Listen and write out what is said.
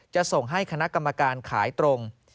จะส่งให้คณะกรรมการขายตรง